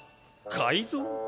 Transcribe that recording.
かいぞう？